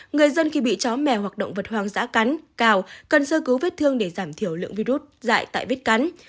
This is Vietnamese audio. người dân khi bị chó mè hoặc động vật hoang giã cắn cào cần sơ cứu vết thương để giảm thiểu lượng virus dại tại vết cắn